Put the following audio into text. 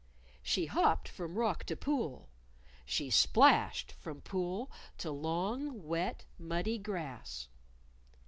She hopped from rock to pool; she splashed from pool to long, wet, muddy grass.